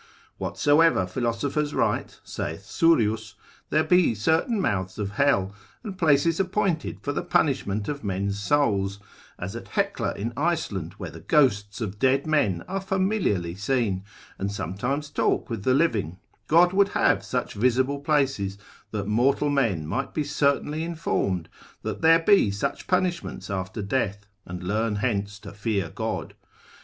Whatsoever philosophers write (saith Surius) there be certain mouths of hell, and places appointed for the punishment of men's souls, as at Hecla in Iceland, where the ghosts of dead men are familiarly seen, and sometimes talk with the living: God would have such visible places, that mortal men might be certainly informed, that there be such punishments after death, and learn hence to fear God.